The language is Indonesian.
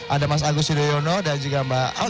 ada mas agus sudoyono dan juga mbak alia